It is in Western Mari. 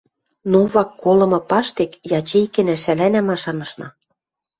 Новак колымы паштек ячейкӹнӓ шӓлӓнӓ, машанышна.